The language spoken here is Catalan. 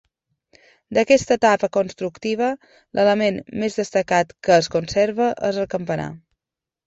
D'aquesta etapa constructiva l'element més destacat que es conserva és el campanar.